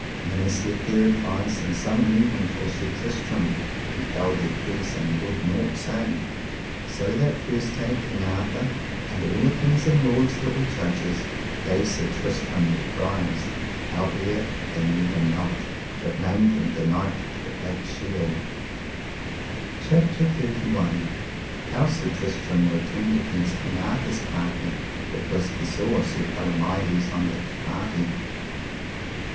Many said their advice, and some knew him for Sir Tristram, and held their peace and would nought say. So that first day King Arthur, and all the kings and lords that were judges, gave Sir Tristram the prize; howbeit they knew him not, but named him the Knight with the Black Shield. CHAPTER XXX. How Sir Tristram returned against King Arthur's party because he saw Sir Palomides on that party.